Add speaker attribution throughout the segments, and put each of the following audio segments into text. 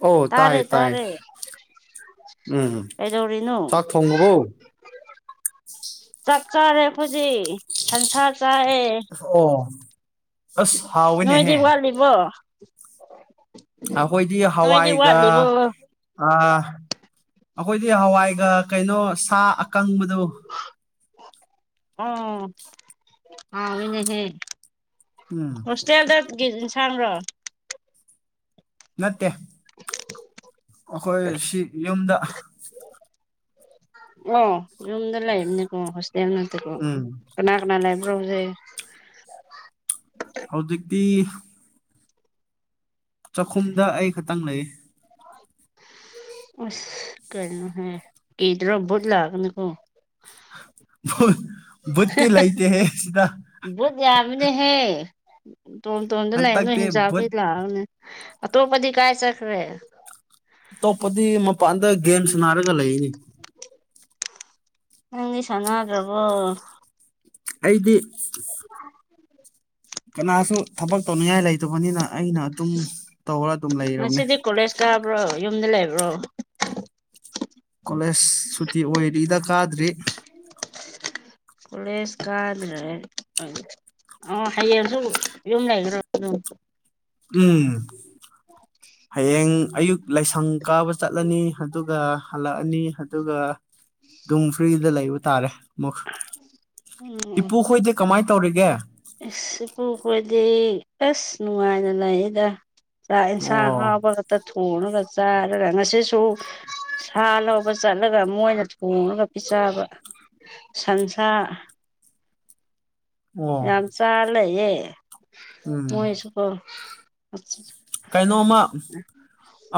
Speaker 1: ꯑꯣ
Speaker 2: ꯇꯥꯔꯦ
Speaker 1: ꯇꯥꯏ ꯇꯥꯏ
Speaker 2: ꯇꯥꯔꯦ
Speaker 1: ꯎꯝ
Speaker 2: ꯀꯗꯧꯔꯤꯅꯣ
Speaker 1: ꯆꯥꯛ ꯊꯣꯡꯉꯕꯣ
Speaker 2: ꯆꯥꯛ ꯆꯥꯔꯦ ꯑꯩꯈꯣꯏꯗꯤ ꯁꯟꯁꯥ ꯆꯥꯏꯑꯦ
Speaker 1: ꯑꯣ ꯑꯁ
Speaker 2: ꯅꯣꯏꯗꯤ
Speaker 1: ꯍꯥꯎꯋꯤꯅꯦꯍꯦ
Speaker 2: ꯋꯥꯠꯂꯤꯕꯣ
Speaker 1: ꯑꯩꯈꯣꯏꯗꯤ
Speaker 2: ꯅꯣꯏꯗꯤ
Speaker 1: ꯍꯋꯥꯏꯒ
Speaker 2: ꯋꯥꯠꯂꯤꯕꯣ
Speaker 1: ꯑ ꯑꯩꯈꯣꯏꯗꯤ ꯍꯋꯥꯏꯒ ꯀꯩꯅꯣ ꯁꯥ ꯑꯀꯪꯕꯗꯣ
Speaker 2: ꯑꯣ ꯍꯥꯎꯒꯅꯦ ꯍꯦ
Speaker 1: ꯎꯝ
Speaker 2: ꯍꯣꯁꯇꯦꯜꯗꯒꯤ ꯌꯦꯟꯁꯥꯡ ꯔꯣ
Speaker 1: ꯅꯠꯇꯦ ꯑꯩꯈꯣꯏ ꯁꯤ ꯌꯨꯝꯗ
Speaker 2: ꯑꯣ ꯌꯨꯝꯗ ꯂꯩꯕꯅꯦꯀꯣ ꯍꯣꯁꯇꯦꯜ ꯅꯠꯇꯦ ꯀꯣ
Speaker 1: ꯎꯝ
Speaker 2: ꯀꯅꯥ ꯂꯩꯕ꯭ꯔꯣ ꯍꯧꯖꯤꯛ
Speaker 1: ꯍꯧꯖꯤꯛꯇꯤ ꯆꯥꯛꯈꯨꯝꯗ ꯑꯩ ꯈꯛꯇꯪ ꯂꯩ
Speaker 2: ꯑꯁ ꯀꯔꯤꯅꯣꯅꯦ ꯀꯤꯗꯔꯣ ꯄꯨꯠ ꯂꯥꯛꯒꯅꯤꯀꯣ
Speaker 1: ꯄꯨꯠꯇꯤ ꯂꯩꯇꯦꯌꯦ ꯁꯤꯗ
Speaker 2: ꯕꯨꯠ ꯌꯥꯝꯃꯤꯅꯦꯍꯦ ꯇꯣꯟ ꯇꯣꯝꯗ ꯂꯩ ꯅꯣꯏ
Speaker 1: ꯍꯟꯇꯛꯇꯤ
Speaker 2: ꯍꯤ [inaudible] ꯡꯖꯥ
Speaker 1: ꯕꯨꯠ
Speaker 2: ꯐꯩ ꯂꯥꯛꯑꯒꯅꯦ ꯑꯇꯣꯞꯕꯗꯤ ꯀꯥꯏ ꯆꯠꯈ꯭ꯔꯦ
Speaker 1: ꯑꯇꯣꯞꯄꯗꯤ ꯃꯄꯥꯟꯗ ꯒꯦꯝꯁ ꯅꯥꯔꯒ ꯂꯩꯅꯦ
Speaker 2: ꯅꯪꯗꯤ ꯁꯥꯟꯅꯗ꯭ꯔꯕꯣ
Speaker 1: ꯑꯩꯗꯤ ꯀꯅꯥꯁꯨ ꯊꯕꯛ ꯇꯧꯅꯤꯡꯉꯥꯏ ꯂꯩꯇꯕꯅꯤꯅ ꯑꯩꯅ ꯑꯗꯨꯝ ꯇꯧꯔ ꯑꯗꯨꯝ ꯂꯩꯔꯕꯅꯦ
Speaker 2: ꯉꯁꯤꯗꯤ ꯀꯣꯂꯦꯖ ꯀꯥꯕ꯭ꯔꯣ ꯌꯨꯝꯗ ꯂꯩꯕ꯭ꯔꯣ
Speaker 1: ꯀꯣꯂꯦꯖ ꯁꯨꯇꯤ ꯑꯣꯏꯔꯤꯗ ꯀꯥꯗ꯭ꯔꯤ
Speaker 2: ꯀꯂꯦꯁ ꯀꯥꯗ꯭ꯔꯦ ꯍꯣꯢ ꯑꯣ ꯍꯌꯦꯡꯁꯨ ꯌꯨꯝ ꯂꯩꯒꯗ꯭ꯔꯣ
Speaker 1: ꯎꯝ
Speaker 2: [inaudible]
Speaker 1: ꯍꯌꯦꯡ ꯑꯌꯨꯛ ꯂꯥꯏꯁꯪ ꯀꯥꯕ ꯆꯠꯂꯅꯤ ꯑꯗꯨꯒ ꯍꯜꯂꯛꯑꯅꯤ ꯑꯗꯨꯒ ꯗꯨꯝ ꯐ꯭ꯔꯤꯗ ꯂꯩꯕ ꯇꯥꯔꯦ ꯑꯃꯨꯛ
Speaker 2: ꯎꯝ ꯎꯝ
Speaker 1: ꯏꯄꯨ ꯈꯣꯏꯗꯤ ꯀꯃꯥꯏꯅ ꯇꯧꯔꯤꯒꯦ
Speaker 2: ꯏꯄꯨ ꯈꯣꯏꯗꯤ ꯑꯁ ꯅꯨꯡꯉꯥꯏꯅ ꯂꯩꯌꯦꯗꯥ ꯆꯥꯛ ꯌꯦꯟꯁꯥꯡ
Speaker 1: ꯑꯣ
Speaker 2: ꯍꯥꯎꯕꯥ ꯈꯛꯇ ꯊꯣꯡꯉꯒ ꯆꯥꯏꯔꯒ ꯉꯁꯤꯁꯨ ꯁꯥ ꯂꯧꯕ ꯆꯠꯂꯒ ꯃꯣꯏꯅ ꯊꯣꯡꯉꯒ ꯄꯤꯖꯕ ꯁꯟꯁꯥ
Speaker 1: ꯑꯣ
Speaker 2: ꯌꯥꯝ ꯆꯥ ꯂꯩꯌꯦ
Speaker 1: ꯎꯝ
Speaker 2: ꯃꯣꯏꯁꯨꯀꯣ
Speaker 1: ꯀꯩꯅꯣꯃ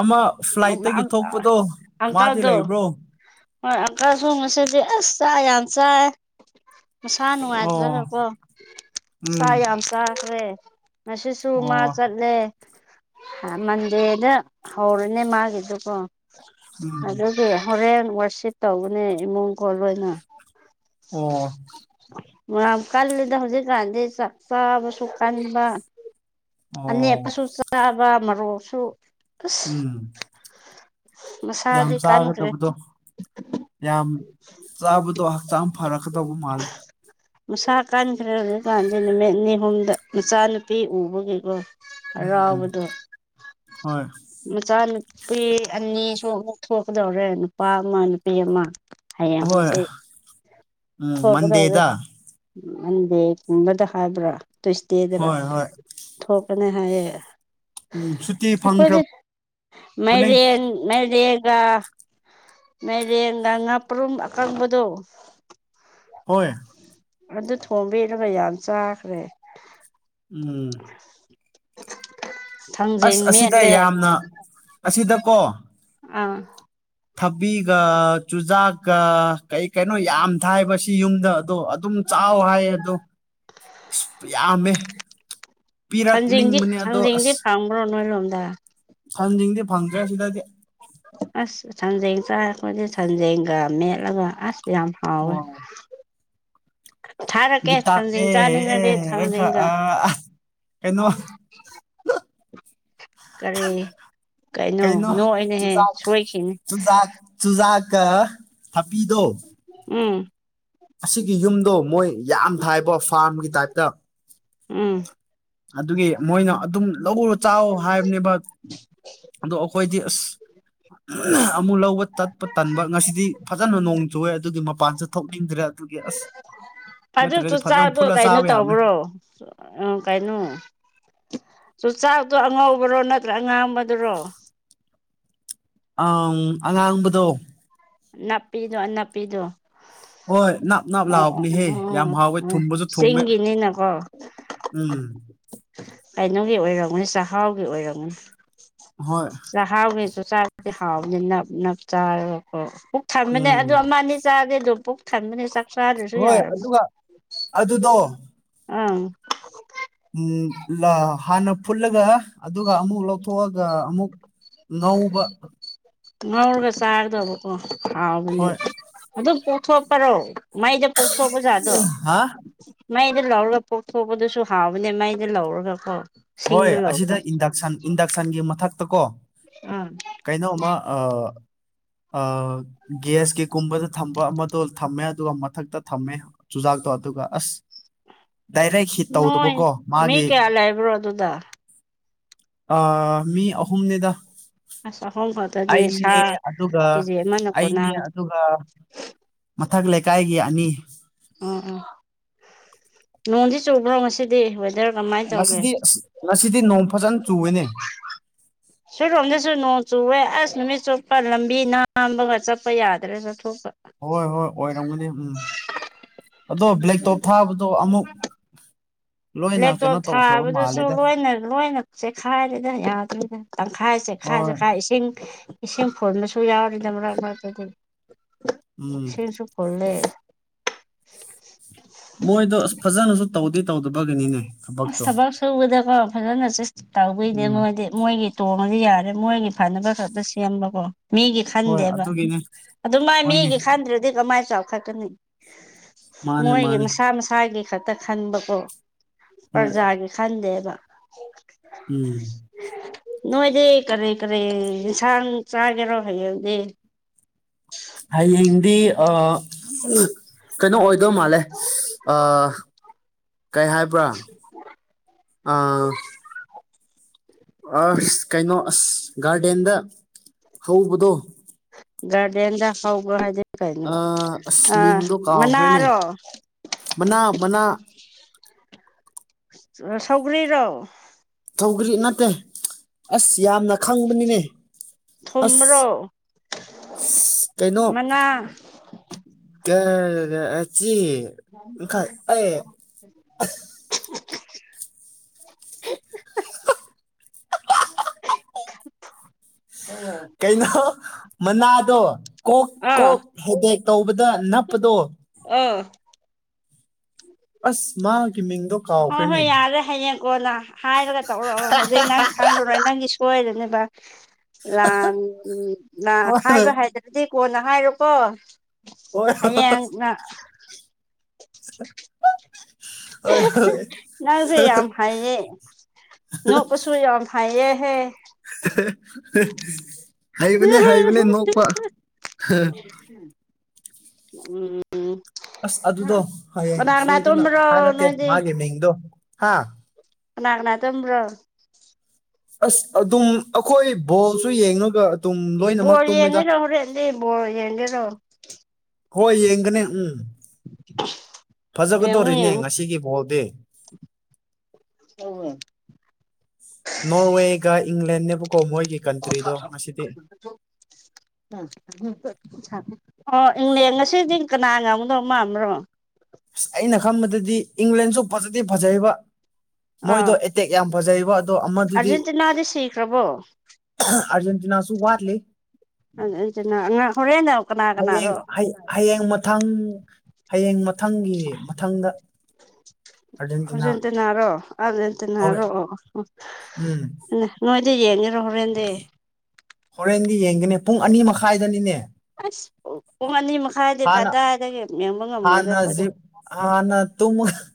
Speaker 1: ꯑꯃ ꯐ꯭ꯂꯥꯏꯠꯇꯒꯤ ꯊꯣꯛꯄꯗꯣ ꯃꯥꯗꯤ
Speaker 2: ꯑꯪꯀꯜꯗꯣ
Speaker 1: ꯂꯩꯕ꯭ꯔꯣ
Speaker 2: ꯍꯣꯏ ꯑꯪꯀꯜꯁꯨ ꯉꯁꯤꯗꯤ ꯑꯁ ꯆꯥꯛ ꯌꯥꯝ ꯆꯥꯏ ꯃꯁꯥ
Speaker 1: ꯑꯣ
Speaker 2: ꯅꯨꯡꯉꯥꯏꯇ꯭ꯔꯒꯀꯣ
Speaker 1: ꯎꯝ
Speaker 2: ꯆꯥꯛ ꯌꯥꯝ ꯆꯥꯈ꯭ꯔꯦ ꯃꯁꯤꯁꯨ ꯃꯥ
Speaker 1: ꯑꯣ
Speaker 2: ꯆꯠꯂꯦ ꯃꯟꯗꯦꯗ ꯍꯧꯔꯅꯦ ꯃꯥꯒꯤꯗꯨ ꯀꯣ
Speaker 1: ꯎꯝ
Speaker 2: ꯑꯗꯨ ꯍꯣꯔꯦꯟ ꯋꯥꯔꯁꯤꯠ ꯇꯧꯕꯅꯦ ꯏꯃꯨꯡꯒꯣꯢ ꯂꯣꯏꯅ
Speaker 1: ꯑꯣ
Speaker 2: ꯌꯥꯝ ꯀꯜꯂꯤꯗ ꯍꯧꯖꯤꯛꯀꯥꯟꯗꯤ ꯆꯥꯛ ꯆꯥꯕꯁꯨ ꯀꯟꯕ
Speaker 1: ꯑꯣ
Speaker 2: ꯑꯃꯦꯠꯄꯁꯨ ꯆꯥꯕ ꯃꯔꯣꯛꯁꯨ ꯑꯁ
Speaker 1: ꯎꯝ ꯌꯥꯝ
Speaker 2: ꯃꯁꯥꯗꯤ
Speaker 1: ꯆꯥꯔꯥ
Speaker 2: ꯀꯟꯈ꯭ꯔꯦ
Speaker 1: ꯇꯧꯕꯗꯣ ꯌꯥꯝ ꯆꯥꯕꯗꯣ ꯍꯛꯆꯥꯡ ꯐꯔꯛꯀꯗꯧꯕ ꯃꯥꯜꯂꯦ
Speaker 2: [unintelligible] ꯃꯁꯥ ꯀꯟꯈ꯭ꯔꯦ ꯍꯧꯖꯤꯛꯀꯥꯟꯗꯤ ꯅꯨꯃꯤꯠ ꯅꯤ ꯍꯨꯝꯗ ꯃꯆꯥꯅꯨꯄꯤ ꯎꯕꯒꯤꯀꯣ
Speaker 1: ꯎꯝ
Speaker 2: ꯍꯥꯔꯥꯎꯕꯗꯣ
Speaker 1: ꯍꯣꯏ
Speaker 2: [unintelligible] ꯃꯆꯥꯅꯨꯄꯤ ꯑꯅꯤꯁꯨ ꯑꯃꯨꯛ ꯊꯣꯛꯀꯗꯧꯔꯦ ꯅꯨꯄꯥ ꯑꯃ ꯅꯨꯄꯤ ꯑꯃ ꯍꯥꯏꯌꯦꯡ
Speaker 1: ꯍꯣꯏ
Speaker 2: ꯍꯪꯆꯤꯠ
Speaker 1: ꯎꯝ
Speaker 2: ꯊꯣꯛꯀꯗꯧꯔꯦ
Speaker 1: ꯃꯟꯗꯦꯗ
Speaker 2: ꯃꯟꯗꯦꯒꯨꯝꯕꯗ ꯍꯥꯏꯕ꯭ꯔꯥ ꯇ꯭ꯨꯁꯗꯦ ꯗꯔꯥ
Speaker 1: ꯍꯣꯏ ꯍꯣꯏ
Speaker 2: ꯊꯣꯛꯀꯅꯤ ꯍꯥꯏꯌꯦ
Speaker 1: ꯎꯝ ꯁꯨꯇꯤ
Speaker 2: ꯑꯩꯈꯣꯏꯁꯦ
Speaker 1: ꯐꯪꯈ꯭ꯔꯕꯅꯦ
Speaker 2: ꯃꯥꯏꯔꯦꯟ ꯃꯥꯏꯔꯦꯟ ꯒꯥ ꯃꯥꯏꯔꯦꯟꯒ ꯉꯥꯄ꯭ꯔꯨꯝ ꯑꯀꯪꯕꯗꯣ
Speaker 1: ꯍꯣꯏ
Speaker 2: ꯑꯗꯨ ꯊꯣꯡꯕꯤꯔꯥꯒ ꯌꯥꯝ ꯆꯥꯈ꯭ꯔꯦ
Speaker 1: ꯎꯝ
Speaker 2: [inaudible]
Speaker 1: ꯑꯁ
Speaker 2: ꯊꯥꯡꯖꯤꯡ
Speaker 1: ꯑꯁꯤꯗ
Speaker 2: ꯃꯦꯠꯂꯦ
Speaker 1: ꯌꯥꯝꯅ ꯑꯁꯤꯗꯀꯣ
Speaker 2: ꯑꯡ
Speaker 1: ꯊꯕꯤꯒ ꯆꯨꯖꯥꯛꯀ ꯀꯩ ꯀꯩꯅꯣ ꯌꯥꯝ ꯊꯥꯏꯕ ꯁꯤ ꯌꯨꯝꯗ ꯑꯗꯣ ꯑꯗꯨꯝ ꯆꯥꯎ ꯍꯥꯏ ꯑꯗꯣ ꯑꯁ ꯌꯥꯝꯃꯦ
Speaker 2: ꯊꯥꯡꯖꯤꯡꯗꯤ
Speaker 1: ꯄꯤꯔꯛꯅꯤꯡꯕꯅꯦ ꯑꯗꯣ
Speaker 2: ꯊꯥꯡꯖꯤꯡꯗꯤ
Speaker 1: ꯑꯁ
Speaker 2: ꯐꯪꯕ꯭ꯔꯣ ꯅꯣꯏ ꯔꯣꯝꯗ
Speaker 1: ꯊꯥꯡꯖꯤꯡꯗꯤ ꯐꯪꯗ꯭ꯔꯦ ꯁꯤꯗꯗꯤ
Speaker 2: ꯑꯁ ꯊꯥꯡꯖꯤꯡ ꯆꯥꯔꯄꯗꯤ ꯊꯥꯡꯖꯤꯡꯒ ꯃꯦꯠꯂꯒ ꯑꯁ ꯌꯥꯝ ꯍꯥꯎꯋꯦ
Speaker 1: ꯋꯥꯎ
Speaker 2: ꯊꯥꯔꯛꯀꯦ
Speaker 1: ꯒꯤꯇꯥ ꯑꯦ
Speaker 2: ꯊꯥꯡꯖꯤꯡ
Speaker 1: [unintelligible]
Speaker 2: ꯆꯥꯅꯤꯡꯉꯗꯤ
Speaker 1: [unintelligible] ꯔ
Speaker 2: ꯊꯥꯡꯖꯤꯡꯒ
Speaker 1: ꯀꯩꯅꯣ
Speaker 2: ꯀꯔꯤ ꯀꯩꯅꯣ ꯅꯣꯛꯑꯦꯅꯍꯦ ꯁꯣꯏꯈꯤꯅꯤ
Speaker 1: ꯆꯨꯖꯥꯛ ꯆꯨꯖꯥꯛꯀ ꯊꯕꯤꯗꯣ
Speaker 2: ꯎꯝ
Speaker 1: ꯑꯁꯤꯒꯤ ꯌꯨꯝꯗꯣ ꯃꯣꯏ ꯌꯥꯝ ꯊꯥꯌꯦꯕ ꯐꯥ꯭ꯔꯝꯒꯤ ꯇꯥꯏꯞꯇ
Speaker 2: ꯎꯝ
Speaker 1: ꯑꯗꯨꯒꯤ ꯃꯣꯏꯅ ꯑꯗꯨꯝ ꯂꯧꯔ ꯆꯥꯑꯣ ꯍꯥꯏꯕꯅꯦꯕ ꯑꯗꯣ ꯑꯩꯈꯣꯏꯗꯤ ꯑꯁ ꯑꯃꯨꯛ ꯂꯧꯕ ꯆꯠꯄ ꯇꯟꯕ ꯉꯁꯤꯗꯤ ꯐꯖꯅ ꯅꯣꯡ ꯆꯨꯑꯦ ꯑꯗꯨꯒꯤ ꯃꯄꯥꯟꯁꯨ ꯊꯣꯛꯅꯤꯡꯗ꯭ꯔꯦ ꯑꯁ ꯅꯠꯇ꯭ꯔꯗꯤ ꯐꯖꯅ ꯐꯨꯜꯂ ꯆꯥꯕ ꯌꯥꯕꯅꯦ
Speaker 2: ꯑꯣ ꯑ ꯀꯩꯅꯣ ꯆꯨꯆꯥꯛꯇꯣ ꯑꯉꯧꯕꯔꯣ ꯅꯠꯇ꯭ꯔꯒ ꯉꯥꯡꯕꯗꯨꯔꯣ
Speaker 1: ꯑꯪ ꯑꯉꯥꯡꯕꯗꯣ
Speaker 2: ꯅꯥꯄꯤꯗꯣ ꯅꯥꯞꯄꯤꯗꯣ
Speaker 1: ꯍꯣꯏ ꯅꯞ ꯅꯞ ꯂꯥꯛꯕꯅꯤꯍꯦ ꯌꯥꯝ
Speaker 2: ꯎꯝ
Speaker 1: ꯍꯥꯎꯋꯦ
Speaker 2: ꯎꯝ
Speaker 1: ꯊꯨꯝꯕꯁꯨ ꯊꯨꯝꯃꯦ
Speaker 2: ꯆꯤꯡꯒꯤꯅꯤꯅꯀꯣ
Speaker 1: ꯎꯝ
Speaker 2: ꯀꯩꯅꯣꯒꯤ ꯑꯣꯏꯔꯝꯒꯨꯅꯤ ꯆꯥꯛꯍꯥꯎꯒꯤ ꯑꯣꯏꯔꯝꯒꯅꯤ
Speaker 1: ꯍꯣꯏ
Speaker 2: ꯍꯥꯎꯒꯤ ꯆꯨꯖꯥꯛꯇꯤ ꯍꯥꯎꯕꯥꯅꯤ ꯅꯞ ꯅꯞ ꯆꯥꯔꯒ ꯊꯟꯕꯅꯦ
Speaker 1: ꯎꯝ
Speaker 2: ꯑꯗꯣ ꯑꯃ ꯑꯅꯤ ꯆꯥꯔꯗꯤ ꯑꯗꯨꯝ ꯄꯨꯛ ꯊꯝꯕꯅꯦ ꯆꯥꯛ ꯆꯥ
Speaker 1: ꯍꯣꯏ ꯑꯗꯨꯒ ꯑꯗꯨꯗꯣ
Speaker 2: ꯑꯪ
Speaker 1: ꯎꯝ ꯍꯥꯟꯅ ꯐꯨꯠꯂꯒ ꯑꯗꯨ ꯑꯃꯨꯛ ꯂꯧꯊꯣꯛꯑꯒ ꯑꯃꯨꯛ ꯉꯧꯕ
Speaker 2: ꯉꯧꯔꯒ ꯆꯥꯔꯗꯕꯀꯣ ꯍꯥꯎꯕꯅꯦ
Speaker 1: ꯍꯣꯏ
Speaker 2: ꯑꯗꯨꯝ ꯀꯣꯊꯣꯛꯄ꯭ꯔꯣ ꯃꯥꯏꯗ ꯄꯣꯛꯊꯣꯛꯑꯄ ꯖꯥꯠꯗꯣ
Speaker 1: ꯍꯥ
Speaker 2: ꯃꯩꯗ ꯂꯧꯔꯒ ꯄꯣꯛꯊꯣꯛꯄꯗꯨꯁꯨ ꯍꯥꯎꯕꯅꯦ ꯃꯩꯗ ꯂꯧꯔꯒꯀꯣ
Speaker 1: ꯍꯣꯏ
Speaker 2: ꯁꯤꯡꯗ ꯂꯧꯔꯒ
Speaker 1: ꯑꯁꯤꯗ ꯏꯟꯗꯛꯁꯟ ꯏꯟꯗꯛꯁꯟꯒꯤ ꯃꯊꯛꯇ ꯀꯣ
Speaker 2: ꯎꯝ
Speaker 1: ꯀꯩꯅꯣꯃ ꯑ ꯒ꯭ꯌꯥꯁꯀꯤ ꯀꯨꯝꯕꯗ ꯊꯝꯕ ꯑꯃꯗꯣ ꯊꯝꯃꯦ ꯑꯗꯨꯒ ꯃꯊꯛꯇ ꯊꯝꯃꯦ ꯆꯨꯖꯥꯛꯇꯣ ꯑꯗꯨꯒ ꯑꯁ ꯗꯥꯏꯔꯦꯛ ꯍꯤꯠ ꯇꯧꯗꯕꯀꯣ ꯃꯥꯒꯤ
Speaker 2: ꯂꯩꯥꯏꯕ꯭ꯔꯣ ꯑꯗꯨꯗꯥ
Speaker 1: ꯑ ꯃꯤ ꯑꯍꯨꯝꯅꯦꯗ
Speaker 2: ꯑꯁ [unintelligible]
Speaker 1: ꯑꯩꯅꯦ
Speaker 2: ꯁꯥ
Speaker 1: ꯑꯗꯨꯒ
Speaker 2: ꯀꯦꯖꯤ ꯑꯃꯅ
Speaker 1: ꯑꯩꯅꯦ
Speaker 2: ꯀꯣꯟꯅꯒꯅꯤ
Speaker 1: ꯑꯗꯨꯒ ꯃꯊꯛ ꯂꯩꯀꯥꯏꯒꯤ ꯑꯅꯤ
Speaker 2: ꯑꯣ ꯑꯣ ꯅꯣꯡꯗꯤ ꯆꯨꯕ꯭ꯔꯣ ꯉꯁꯤ ꯋꯦꯗꯔ ꯀꯃꯥꯏ
Speaker 1: ꯉꯁꯤꯗꯤ ꯑꯁ ꯉꯁꯤꯗꯤ ꯅꯣꯡ ꯐꯖꯅ ꯆꯨꯏꯅꯦ
Speaker 2: ꯁꯣꯏꯔꯣꯝꯗꯁꯨ ꯅꯣꯡ ꯆꯨꯋꯦ ꯑꯁ ꯅꯨꯃꯤꯠ ꯆꯨꯞꯄ ꯂꯝꯕꯤ ꯅꯥꯝꯕꯒ ꯆꯠꯄ ꯌꯥꯗ꯭ꯔꯥ ꯆꯠꯊꯣꯛꯄ
Speaker 1: ꯍꯣꯏ ꯍꯣꯏ ꯑꯣꯏꯔꯝꯒꯅꯦ ꯎꯝ ꯑꯗꯣ ꯕ꯭ꯂꯦꯛ ꯇꯣꯞ ꯊꯥꯕꯗꯣ ꯑꯃꯨꯛ ꯂꯣꯏꯅ
Speaker 2: ꯂꯦꯞꯇꯣꯞ
Speaker 1: ꯀꯩꯅꯣ ꯇꯧꯈ꯭ꯔꯕ
Speaker 2: ꯊꯥꯕꯗꯨꯁꯨ
Speaker 1: ꯃꯥꯜꯂꯦꯗ
Speaker 2: ꯂꯣꯏꯅ ꯂꯣꯏꯅ ꯆꯦꯛꯈꯥꯏꯔꯦꯗ ꯌꯥꯗꯣꯏꯗ ꯇꯪꯈꯥꯏ ꯆꯦꯈꯥꯏ
Speaker 1: ꯍꯣꯏ
Speaker 2: ꯆꯦꯠꯈꯥꯏ ꯏꯁꯤꯡ ꯏꯁꯤꯡ ꯐꯨꯕꯁꯨ ꯌꯥꯎꯔꯤꯗ ꯃꯔꯛ ꯃꯔꯛꯇꯗꯤ
Speaker 1: ꯎꯝ
Speaker 2: ꯏꯁꯤꯡꯁꯨ ꯐꯨꯜꯂꯦ
Speaker 1: ꯃꯣꯏꯗꯣ ꯑꯁ ꯐꯖꯅꯁꯨ ꯇꯧꯗꯤ ꯇꯧꯗꯕꯒꯤꯅꯤꯅꯦ
Speaker 2: ꯑꯁ
Speaker 1: ꯊꯕꯛꯇꯣ
Speaker 2: ꯊꯕꯛ ꯁꯨꯕꯗꯀꯣ ꯐꯖꯅ ꯇꯧꯕꯗꯅꯦ
Speaker 1: ꯎꯝ
Speaker 2: ꯃꯣꯏꯗꯤ ꯃꯣꯏꯒꯤ ꯇꯣꯡꯉꯗꯤ ꯌꯥꯔꯦ ꯃꯣꯏꯒꯤ ꯐꯅꯕ ꯈꯛꯇ ꯁꯦꯝꯕꯀꯣ ꯃꯤꯒꯤ
Speaker 1: ꯍꯣꯏ
Speaker 2: ꯈꯟꯗꯦꯕ
Speaker 1: ꯑꯗꯨꯒꯤꯅꯦ
Speaker 2: ꯑꯗꯨ ꯃꯥ
Speaker 1: ꯍꯣꯏꯅꯦ
Speaker 2: ꯃꯤꯒꯤ ꯈꯟꯗ꯭ꯔꯗꯤ ꯀꯃꯥꯏꯅ ꯆꯥꯎꯈꯠꯀꯅꯤ
Speaker 1: ꯃꯥꯅꯦ
Speaker 2: ꯃꯣꯏꯒꯤ
Speaker 1: ꯃꯥꯅꯦ
Speaker 2: ꯃꯁꯥ ꯃꯁꯥꯒꯤ ꯈꯛꯇ ꯈꯟꯕꯀꯣ
Speaker 1: ꯍꯣꯏ
Speaker 2: ꯄ꯭ꯔꯖꯥꯒꯤ ꯈꯟꯗꯦꯕ
Speaker 1: ꯎꯝ
Speaker 2: ꯅꯣꯏꯗꯤ ꯀꯔꯤ ꯀꯔꯤ ꯌꯦꯟꯁꯥꯡ ꯆꯥꯒꯦꯔꯣ ꯍꯌꯦꯡꯗꯤ
Speaker 1: ꯍꯌꯦꯡꯗꯤ ꯑ ꯀꯩꯅꯣ ꯑꯣꯏꯗꯧ ꯃꯥꯜꯂꯦ ꯀꯩ ꯍꯥꯏꯕ꯭ꯔꯥ ꯑꯥ ꯑꯁ ꯀꯩꯅꯣ ꯑꯁ ꯒꯥꯔꯗꯦꯟꯗ ꯍꯧꯕꯗꯣ
Speaker 2: ꯒꯥꯔꯗꯦꯟꯗ ꯍꯧꯕ ꯍꯥꯏꯗꯤ ꯀꯩꯅꯣ
Speaker 1: ꯑꯥ ꯑꯁ
Speaker 2: ꯑ
Speaker 1: ꯃꯤꯡꯗꯣ ꯀꯥꯎꯈ꯭ꯔꯦꯅꯦ
Speaker 2: ꯃꯅꯥꯔꯣ
Speaker 1: ꯃꯅꯥ ꯃꯅꯥ
Speaker 2: ꯁꯧꯒ꯭ꯔꯤꯔꯣ
Speaker 1: ꯊꯧꯒ꯭ꯔꯤ ꯅꯠꯇꯦ ꯑꯁ ꯌꯥꯝꯅ ꯈꯪꯕꯅꯤꯅꯦ ꯑꯁ
Speaker 2: ꯊꯨꯝꯕ꯭ꯔꯣ
Speaker 1: ꯀꯩꯅꯣ
Speaker 2: ꯃꯅꯥ
Speaker 1: ꯀꯔꯔ ꯑꯆꯤ
Speaker 2: [unintelligible]
Speaker 1: ꯀꯩꯅꯣ ꯃꯅꯥꯗꯣ ꯀꯣꯛ
Speaker 2: ꯑꯥ
Speaker 1: ꯀꯣꯛ ꯍꯦꯇꯦꯛ ꯇꯧꯕꯗ ꯅꯞꯄꯗꯣ
Speaker 2: ꯑ
Speaker 1: ꯑꯁ ꯃꯥꯒꯤ ꯃꯤꯡꯗꯣ
Speaker 2: ꯍꯣꯏ
Speaker 1: ꯀꯥꯎꯈ꯭ꯔꯦꯅꯦ
Speaker 2: ꯍꯣꯏ ꯌꯥꯔꯦ ꯍꯌꯦꯡꯀꯣ ꯅ ꯍꯥꯏꯔꯒ ꯇꯧꯔꯛꯑꯣ ꯍꯧꯖꯤꯛ ꯅꯪ ꯈꯪꯂꯨꯔꯣꯏ ꯅꯪꯒꯤ ꯀꯣꯏꯗꯅꯕ ꯂ ꯎ
Speaker 1: ꯍꯣꯏ
Speaker 2: ꯍꯥꯏꯕ ꯍꯥꯏ
Speaker 1: ꯍꯣꯏ
Speaker 2: ꯆꯠꯄꯗꯤ ꯀꯣꯟꯅ ꯍꯥꯏꯔꯣꯀꯣ
Speaker 1: ꯍ‌ꯣꯏ
Speaker 2: ꯍꯌꯦꯡ
Speaker 1: [unintelligible]
Speaker 2: [unintelligible] ꯅꯪꯁ‌ꯦ ꯌꯥꯝ ꯍꯥꯏꯑꯦ ꯅꯣꯛ ꯄꯁꯨ ꯌꯥꯝ ꯍꯥꯏꯌꯦꯍꯦ
Speaker 1: [unintelligible] ꯍꯩꯕꯅꯦ ꯍꯩꯕꯅꯦ ꯅꯣꯛꯄ
Speaker 2: ꯎꯝ ꯎꯝ
Speaker 1: ꯑꯁ ꯑꯗꯨꯗꯣ ꯍꯌꯦꯡ
Speaker 2: ꯀꯅꯥ ꯀꯅꯥ
Speaker 1: ꯁꯣꯏꯗꯅ
Speaker 2: ꯇꯨꯝꯕ꯭ꯔꯣ
Speaker 1: ꯍꯥꯏꯔꯛꯀꯦ
Speaker 2: ꯅꯣꯏꯗꯤ
Speaker 1: ꯃꯥꯒꯤ ꯃꯤꯡꯗꯣ ꯍꯥ
Speaker 2: ꯀꯅꯥ ꯀꯅꯥ ꯇꯨꯝꯕ꯭ꯔꯣ
Speaker 1: ꯑꯁ ꯑꯗꯨꯝ ꯑꯩꯈꯣꯏ ꯕꯣꯜꯁꯨ ꯌꯦꯡꯉꯒ ꯑꯗꯨꯝ ꯂꯣꯏꯅꯃꯛ ꯇꯨꯝꯃꯤꯗ
Speaker 2: ꯗꯤ ꯌꯦꯡꯒ‌ꯦꯔꯣ
Speaker 1: ꯍꯣꯏ ꯌꯦꯡꯒꯅꯤ ꯎꯝ
Speaker 2: ꯌꯦꯡꯉꯨ
Speaker 1: ꯐꯖꯒꯗꯧꯔꯤꯅꯦ
Speaker 2: ꯌꯦꯡꯉꯨ
Speaker 1: ꯉꯁꯤꯒꯤ ꯕꯣꯜꯗꯤ
Speaker 2: ꯇꯧꯑ‌ꯦ
Speaker 1: ꯅꯣꯔꯋꯦꯒ ꯏꯪꯂꯦꯟꯅꯦꯕꯀꯣ ꯃꯣꯏꯒꯤ ꯀꯟꯇ꯭ꯔꯤꯗꯣ ꯉꯁꯤꯗꯤ
Speaker 2: ꯗ‌ꯣ [unintelligible] ꯑꯣ ꯏꯪꯂꯦꯟ ꯉꯁꯤꯗꯤ ꯀꯅꯥ ꯉꯝꯗꯧ ꯃꯥꯥꯟꯕ꯭ꯔꯣ
Speaker 1: ꯑꯁ ꯑꯩꯅ ꯈꯟꯕꯗꯗꯤ ꯏꯪꯂꯦꯟꯁꯨ ꯐꯖꯗꯤ ꯐꯖꯩꯌ‌ꯦꯕ ꯃꯣꯏꯗꯣ
Speaker 2: ꯑꯥ
Speaker 1: ꯑꯦꯇꯦꯛ ꯌꯥꯝ ꯐꯖꯩꯌ‌ꯦꯕ ꯑꯗꯣ ꯑꯃꯗꯨꯗꯤ
Speaker 2: ꯑꯥꯔꯖꯦꯟꯇꯤꯅꯥꯗꯤ ꯁꯤꯈ꯭ꯔꯕꯣ
Speaker 1: ꯑꯥ꯭ꯔꯖꯦꯟꯇꯤꯅꯥꯁꯨ ꯋꯥꯠꯂꯤ
Speaker 2: ꯑꯥ ꯑꯟꯆꯥꯅꯥ ꯑꯉꯥ ꯍꯣꯔꯦꯟꯗ‌ꯣ ꯀꯅꯥ ꯀꯅꯥꯔꯣ
Speaker 1: ꯍꯩꯌꯦꯡ ꯃꯊꯪ ꯍꯩꯌꯦꯡ ꯃꯊꯪꯒꯤ ꯃꯊꯪꯗ ꯑꯥꯔꯖꯦꯟꯇꯤꯅꯥ
Speaker 2: ꯑꯥ꯭ꯔꯖꯦꯟꯇꯤꯅꯥꯔꯣ
Speaker 1: ꯍꯣꯏ
Speaker 2: ꯑꯥ꯭ꯔꯖꯦꯟꯇꯤꯅꯥꯔꯣ
Speaker 1: ꯎꯝ
Speaker 2: ꯅꯣꯏꯗꯤ ꯌꯦꯡꯉꯔꯣ ꯍꯣꯔꯦꯟꯗꯤ
Speaker 1: ꯍꯣꯔꯦꯟꯗꯤ ꯌꯦꯡꯒꯅꯤ ꯄꯨꯡ ꯑꯅꯤ ꯃꯈꯥꯏꯗꯅꯤꯅꯦ
Speaker 2: ꯑꯁ ꯄꯨꯡ ꯑꯅꯤ ꯃꯈꯥꯏꯗꯤ
Speaker 1: ꯍꯥꯟꯅ
Speaker 2: ꯀꯗꯥꯏꯗꯒꯤ ꯌꯦꯡꯕ ꯉꯝꯃꯣꯏꯗ ꯈ‌ꯣꯏꯗꯤ
Speaker 1: ꯍꯥꯟꯅꯥ ꯇꯨꯝꯃꯥ [unintelligible]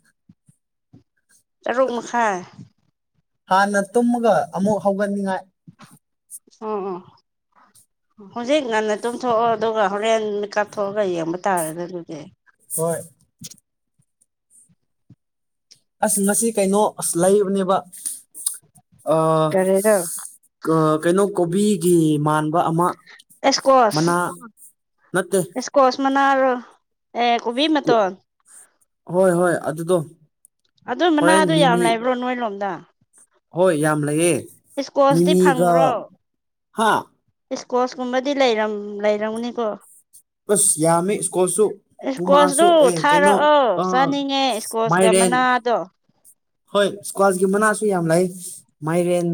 Speaker 2: ꯇꯔꯨꯛ ꯃꯈꯥꯏ
Speaker 1: ꯍꯥꯟꯅ ꯇꯨꯝꯃꯒ ꯑꯃꯨꯛ ꯍꯧꯒꯠꯅꯤꯡꯉꯥꯏ
Speaker 2: ꯑꯣ ꯑꯣ ꯍꯧꯖꯤꯛ ꯉꯟꯅ ꯇꯨꯝꯊꯣꯛꯑꯣ ꯑꯗꯨꯒ ꯍꯣꯔꯦꯟ ꯀꯥꯞꯊꯣꯛꯑꯒ ꯌꯦꯡꯕ ꯇꯥꯔꯦꯅꯦ ꯑꯗꯨꯗꯤ
Speaker 1: ꯍꯣꯏ ꯑꯁ ꯉꯁꯤ ꯀꯩꯅꯣ ꯑꯁ ꯂꯩꯕꯅꯦꯕ ꯑꯥ
Speaker 2: ꯀꯔꯤꯔꯣ
Speaker 1: ꯀꯩꯅꯣ ꯀꯣꯕꯤꯒꯤ ꯃꯥꯟ ꯕ ꯑꯃ ꯃꯅꯥ ꯅꯠꯇꯦ
Speaker 2: ꯀ‌ꯣꯁ ꯃꯅꯔ‌ꯣ ꯑꯦ ꯀꯣꯕꯤ ꯃꯇꯣꯟ
Speaker 1: ꯍꯣꯏ ꯍꯣꯏ ꯑꯗꯨꯗꯣ
Speaker 2: ꯑꯗꯨ
Speaker 1: ꯍꯣꯔꯦꯟ
Speaker 2: ꯃꯅꯥꯗ ꯌꯥꯝ
Speaker 1: ꯃꯤꯃꯤ
Speaker 2: ꯂꯩꯕ꯭ꯔꯣ ꯅꯣꯏ ꯂꯣꯝꯗ
Speaker 1: ꯍꯣꯏ ꯌꯥꯝ ꯂꯩꯌꯦ
Speaker 2: ꯏꯁꯀꯣꯁꯇꯤ
Speaker 1: ꯃꯤꯃꯤꯒ꯭ꯔ ꯍꯥ
Speaker 2: ꯏꯁꯀꯣꯁ ꯀꯨꯝꯕꯗꯤ ꯂꯩꯔꯝ ꯂꯩꯔꯝꯒꯅꯤꯀꯣ
Speaker 1: ꯑꯁ ꯌꯥꯝꯃꯤ ꯁ꯭ꯀꯣꯜꯁꯨ ꯄꯨꯃꯥꯁꯨ
Speaker 2: ꯏꯁꯀꯣꯁꯇꯨ
Speaker 1: ꯑꯦ ꯀꯩꯅꯣ
Speaker 2: ꯊꯥꯔꯛꯑꯣ
Speaker 1: ꯑ
Speaker 2: ꯆꯥꯅꯤꯡꯉꯦ ꯏꯁꯀꯣꯁꯀ
Speaker 1: ꯃꯥꯏꯔꯦꯟ
Speaker 2: ꯃꯅꯥꯗꯣ
Speaker 1: ꯍꯣꯏ ꯏꯁꯀ꯭ꯋꯥꯁꯀꯤ ꯃꯅꯥꯁꯨ ꯌꯥꯝ ꯂꯩ ꯃꯥꯏꯔꯦꯟ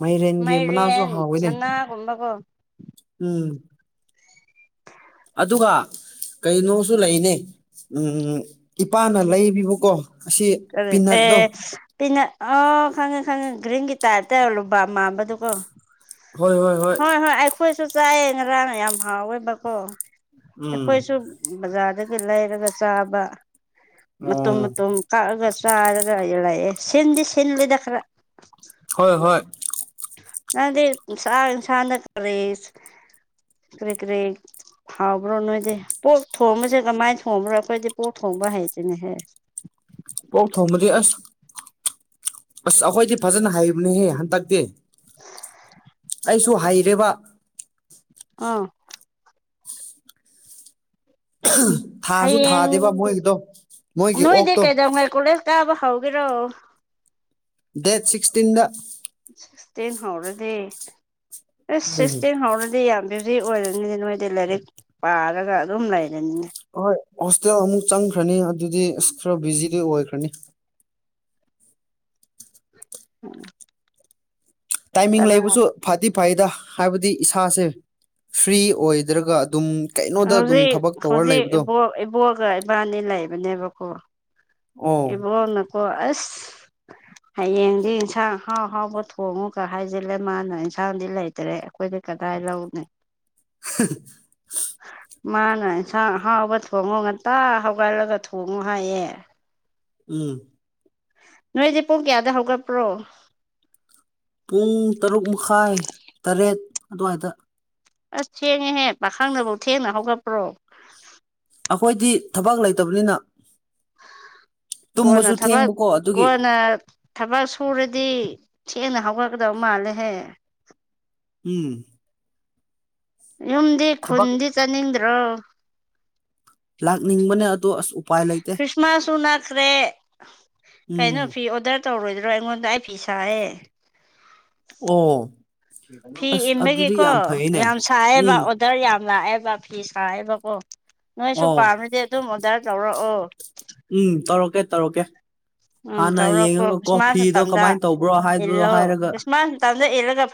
Speaker 1: ꯃꯥꯏꯔꯦꯟꯒꯤ ꯃꯅꯥꯁꯨ ꯍꯥꯎꯋꯤꯅꯦ
Speaker 2: ꯐꯅꯀꯣ
Speaker 1: ꯎꯝ ꯑꯗꯨꯒ ꯀꯩꯅꯣꯁꯨ ꯂꯩꯅꯦ ꯎꯝ ꯏꯄꯥꯅ ꯂꯩꯕꯤꯕꯀꯣ ꯑꯁꯤ
Speaker 2: ꯀꯔꯤ
Speaker 1: ꯄꯤꯅꯠꯇꯣ
Speaker 2: ꯑꯦ ꯄꯤꯅ ꯑꯣ ꯈꯪꯉꯦ ꯈꯪꯉꯦ ꯒ꯭ꯔꯤꯟꯒꯤ ꯇꯥꯏꯞꯇ ꯂꯨꯕꯥ ꯃꯥꯟꯕꯗꯨꯀꯣ
Speaker 1: ꯍꯣꯏ ꯍꯣꯏ ꯍꯣꯏ
Speaker 2: ꯍꯣꯏ ꯍꯣꯏ ꯑꯩꯈꯣꯏꯁꯨ ꯆꯥꯏꯑꯦ ꯉꯔꯥꯡ ꯌꯥꯝ ꯍꯥꯎꯋꯦꯕꯀꯣ
Speaker 1: ꯎꯝ
Speaker 2: ꯑꯩꯈꯣꯏꯁꯨ ꯕꯖꯥ꯭ꯔꯗꯒ ꯂꯩꯔꯒ ꯆꯥꯕ ꯃꯇꯨꯝ
Speaker 1: ꯑꯣ
Speaker 2: ꯃꯇꯨꯝ ꯀꯛꯑꯒ ꯁ ꯆꯥꯔꯒ ꯂꯩꯌꯦ ꯁꯤꯟꯗꯤ ꯁꯤꯜꯂꯤ ꯈꯔꯥ
Speaker 1: ꯍꯣꯏ ꯍꯣꯏ
Speaker 2: ꯅꯪꯗꯤ ꯅꯤꯁꯥ ꯁꯥꯟꯅ ꯀꯔꯦꯁ [unintelligible] ꯍꯥꯎꯕ꯭ꯔꯣ ꯅꯣꯏꯗꯤ ꯄꯣꯛ ꯊꯣꯡꯕꯁꯦ ꯀꯃꯥꯏꯅ ꯊꯣꯡꯕ꯭ꯔꯣ ꯑꯩꯈꯣꯏꯗꯤ ꯄꯣꯛ ꯊꯣꯡꯕ ꯍꯩꯇꯦꯅꯦꯍꯦ
Speaker 1: ꯄꯣꯛ ꯊꯣꯡꯕꯗꯤ ꯑꯁ ꯑꯁ ꯑꯩꯈꯣꯏꯗꯤ ꯐꯖꯅ ꯍꯩꯕꯅꯦꯍꯦ ꯍꯟꯗꯛꯇꯤ ꯑꯩꯁꯨ ꯍꯩꯔꯤꯕ
Speaker 2: ꯑꯥ
Speaker 1: ꯊꯥꯁꯨ
Speaker 2: ꯍꯌꯦꯡ
Speaker 1: ꯊꯥꯗꯦꯕ ꯃꯣꯏꯒꯤꯗꯣ ꯃꯣꯏꯒꯤ
Speaker 2: ꯅꯣꯏꯗꯤ
Speaker 1: ꯑꯣꯛꯇꯣ
Speaker 2: ꯀꯩꯗꯧꯉꯥꯏ ꯀꯣꯂꯦꯖ ꯀꯥꯕ ꯍꯧꯒꯦꯔꯣ
Speaker 1: ꯗꯦꯠ ꯁꯤꯛꯁꯇꯤꯟꯗ
Speaker 2: ꯁꯤꯛꯁꯇꯤꯟ ꯍꯧꯔꯗꯤ ꯑꯦꯁ
Speaker 1: ꯎꯝ
Speaker 2: ꯁꯤꯛꯁꯇꯤꯟ ꯍꯧꯔꯗꯤ ꯌꯥꯝꯕꯤꯔ ꯐ꯭ꯔꯤ ꯑꯣꯏꯔꯅꯤꯅꯦ ꯅꯣꯏꯗꯤ ꯂꯥꯏꯔꯤꯛ ꯄꯥꯔꯒ ꯑꯗꯨꯝ ꯂꯩꯔꯅꯤꯅꯦ
Speaker 1: ꯍꯣꯏ ꯍꯣꯁꯇꯦꯜ ꯑꯃꯨꯛ ꯆꯪꯈ꯭ꯔꯅꯤ ꯑꯗꯨꯗꯤ ꯑꯁ ꯈꯔ ꯕꯤꯖꯤꯗꯤ ꯑꯣꯏꯈ꯭ꯔꯅꯤ
Speaker 2: ꯎꯝ
Speaker 1: ꯇꯥꯏꯃꯤꯡ ꯂꯩꯕꯁꯨ ꯐꯗꯤ ꯐꯩꯗ ꯍꯥꯏꯕꯗꯤ ꯏꯁꯥꯁꯦ ꯐ꯭ꯔꯤ ꯑꯣꯏꯗ꯭ꯔꯒ ꯑꯗꯨꯝ ꯀꯩꯅꯣꯗ ꯑꯗꯨꯝ ꯊꯕꯛ ꯇꯧꯔ ꯂꯩꯕꯗꯣ
Speaker 2: ꯏꯕꯨꯡꯉꯣꯒ ꯏꯕꯥꯅꯤ ꯂꯩꯕꯅꯦꯕꯀꯣ
Speaker 1: ꯑꯣ
Speaker 2: ꯏꯕꯨꯉꯣꯅꯀꯣ ꯑꯁ ꯍꯌꯦꯡꯗꯤ ꯏꯟꯁꯥꯡ ꯑꯍꯥꯎ ꯍꯥꯎꯕ ꯊꯣꯡꯉꯨꯒ ꯍꯥꯏꯖꯤꯜꯂꯦ ꯃꯥꯅ ꯏꯟꯁꯥꯡꯗꯤ ꯂꯩꯇ꯭ꯔꯦ ꯑꯩꯈꯣꯏꯗꯤ ꯀꯗꯥꯏ ꯂꯧꯅꯤ
Speaker 1: [unintelligible]
Speaker 2: [inaudible] ꯃꯥꯅ ꯏꯟꯁꯥꯡ ꯑꯍꯥꯎꯕ ꯊꯣꯡꯉꯨ ꯉꯟꯇꯥ ꯍꯧꯒꯠꯂꯒ ꯊꯣꯡꯉꯣ ꯍꯥꯏꯌꯦ
Speaker 1: ꯎꯝ
Speaker 2: ꯅꯣꯏꯗꯤ ꯄꯨꯡ ꯀꯌꯥꯗ ꯍꯧꯒꯠꯄ꯭ꯔꯣ
Speaker 1: ꯄꯨꯡ ꯇꯔꯨꯛ ꯃꯈꯥꯏ ꯇꯔꯦꯠ ꯑꯗꯨꯋꯥꯏꯗ
Speaker 2: ꯑꯁ ꯊꯦꯡꯉꯦꯍꯦ ꯄꯥꯈꯪꯅꯐꯧ ꯊꯦꯡꯅ ꯍꯧꯒꯠꯄ꯭ꯔꯣ
Speaker 1: ꯑꯩꯈꯣꯏꯗꯤ ꯊꯕꯛ ꯂꯩꯇꯕꯅꯤꯅ
Speaker 2: ꯀꯣꯟꯅ
Speaker 1: ꯇꯨꯝꯕꯁꯨ
Speaker 2: ꯊꯕꯛ
Speaker 1: ꯊꯦꯡꯕꯀꯣ ꯑꯗꯨꯒꯤ
Speaker 2: ꯀꯣꯟꯅ ꯊꯕꯛ ꯁꯨꯔꯗꯤ ꯊꯦꯡꯅ ꯍꯧꯒꯠꯀꯗꯕ ꯃꯥꯜꯂꯦꯍꯦ
Speaker 1: ꯎꯝ
Speaker 2: ꯌꯨꯝꯗꯤ
Speaker 1: ꯊꯕꯛ
Speaker 2: ꯈꯨꯟꯗꯤ ꯆꯠꯅꯤꯡꯗ꯭ꯔꯣ
Speaker 1: ꯂꯥꯛꯅꯤꯡꯕꯅꯦ ꯑꯗꯣ ꯑꯁ ꯎꯄꯥꯏ ꯂꯩꯇꯦ
Speaker 2: ꯈ꯭ꯔꯤꯁꯃꯥꯁꯁꯨ ꯅꯛꯈ꯭ꯔꯦ
Speaker 1: ꯎꯝ
Speaker 2: ꯀꯩꯅꯣ ꯐꯤ ꯑꯣꯗꯔ ꯇꯧꯔꯣꯏꯗ꯭ꯔꯣ ꯑꯩꯉꯣꯟꯗ ꯑꯩ ꯐꯤ ꯁꯥꯏꯑꯦ
Speaker 1: ꯑꯣ
Speaker 2: ꯐꯤ
Speaker 1: ꯑꯁ ꯑꯗꯨꯗꯤ
Speaker 2: ꯏꯟꯕꯒꯤꯀꯣ
Speaker 1: ꯌꯥꯝ ꯐꯩꯅꯦ
Speaker 2: ꯌꯥꯝ ꯁꯥꯏꯌꯦꯕ
Speaker 1: ꯎꯝ
Speaker 2: ꯑꯣꯗꯔ ꯌꯥꯝ ꯂꯥꯛꯑꯦꯕ ꯐꯤ ꯁꯥꯥꯛꯑꯦꯕꯀꯣ ꯅꯣꯏꯁꯨ
Speaker 1: ꯑꯣ
Speaker 2: ꯄꯥꯝꯃꯤꯗꯤ ꯑꯗꯨꯝ ꯑꯣꯔꯗꯔ ꯇꯧꯔꯛꯑꯣ
Speaker 1: ꯎꯝ ꯇꯧꯔꯛꯀꯦ ꯇꯧꯔꯛꯀꯦ
Speaker 2: ꯎꯝ
Speaker 1: ꯍꯥꯟꯅ
Speaker 2: ꯇꯧꯔꯛꯄꯣ
Speaker 1: ꯌꯦꯡꯉꯒꯀꯣ
Speaker 2: ꯈ꯭ꯔꯤꯁꯃꯥꯁ
Speaker 1: ꯐꯤꯗꯣ
Speaker 2: ꯃꯇꯝꯗ
Speaker 1: ꯀꯃꯥꯏꯅ ꯇꯧꯕ꯭ꯔꯣ ꯍꯥꯏꯕꯗꯣ ꯍꯥꯏꯔꯒ
Speaker 2: ꯇꯞꯅ ꯏꯜꯂꯒ